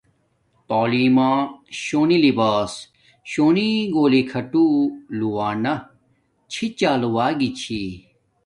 تعلیم ما شونی لباس چونی گھولی کھووانا چھی چال و گی چھی